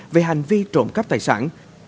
về hành vi trộm cắp tài sản